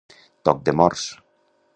Toc de morts.